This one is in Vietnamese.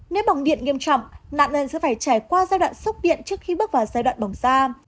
nếu bỏng điện nghiêm trọng nạn nhân sẽ phải trải qua giai đoạn sốc điện trước khi bước vào giai đoạn bỏng da